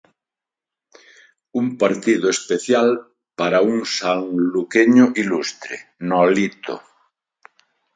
Un partido especial para un sanluqueño ilustre, Nolito.